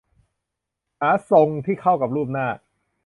หาทรงที่เข้ากับรูปหน้า